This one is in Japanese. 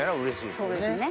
そうですね。